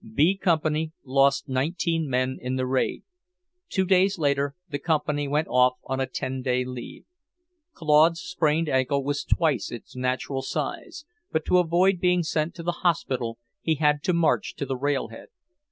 B Company lost nineteen men in the raid. Two days later the Company went off on a ten day leave. Claude's sprained ankle was twice its natural size, but to avoid being sent to the hospital he had to march to the railhead.